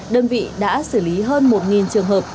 đơn vị đã xử lý hơn một trường hợp